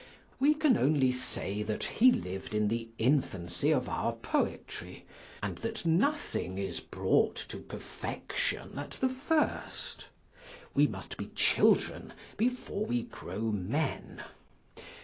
We can only say, that he liv'd in the infancy of our poetry, and that nothing is brought to perfection at the first. We must be children before we grow men.